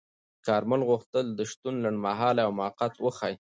کارمل غوښتل د شتون لنډمهاله او موقت وښيي.